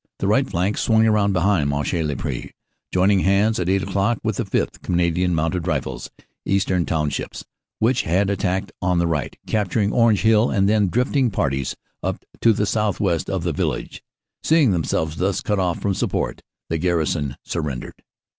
The right flank swung round behind Monchy le Preux, joining hands at eight o clock with the Sth. C. M. R., Eastern Townships, which had attacked on the right, captur ing Orange Hill and then drifting parties up to the southwest of the village. Seeing themselves thus cut off from support, the garrison surrendered.